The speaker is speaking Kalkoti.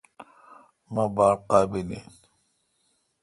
مہ باڑ قابل این۔